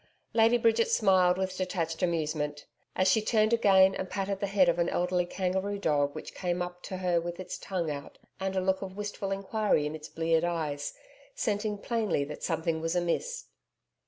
Lady Bridget smiled with detached amusement, as she turned again and patted the head of an elderly kangaroo dog, which came up to her with its tongue out and a look of wistful enquiry in its bleared eyes, scenting plainly that something was amiss.